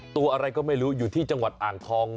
ตัวอะไรก็ไม่รู้อยู่ที่จังหวัดอ่างทอง